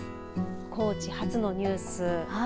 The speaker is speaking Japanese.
高知発のニュース。